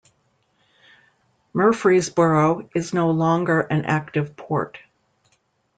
Murfreesboro is no longer an active port.